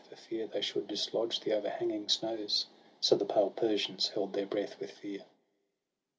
For fear they should dislodge the o'erhanging snows — So the pale Persians held their breath with fear.